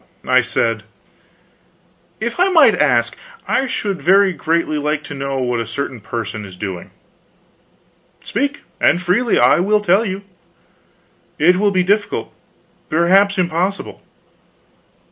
I said: "If I might ask, I should very greatly like to know what a certain person is doing." "Speak, and freely. I will tell you." "It will be difficult perhaps impossible."